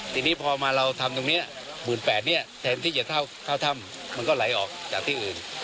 ทีนี้พอมาเราทำตรงนี้๑๘๐๐เนี่ยแทนที่จะเข้าถ้ำมันก็ไหลออกจากที่อื่น